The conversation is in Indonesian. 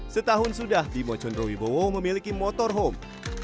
setahun sudah bimo cendrawi bowo memiliki motorhome